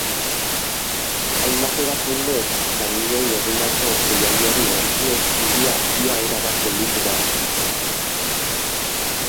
Hainbat erakundek langileei egindako deialdiari erantzunez, hiria ia erabat gelditu da.